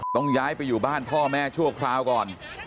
ต้องย้ายไปอยู่บ้านพ่อแม่ชั่วคราวก่อน